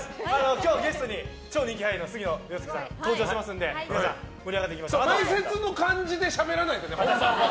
今日はゲストに超人気俳優の杉野遥亮さんが登場しますので前説の感じでしゃべらないでね。